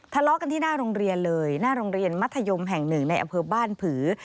ทะเลาะกันที่หน้าโรงเรียนเลยหน้าโรงเรียนมัธยมแห่งหนึ่งในอำเภอบ้านผือ